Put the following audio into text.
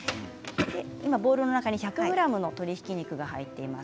今ボウルの中に１００ｇの鶏ひき肉が入っています。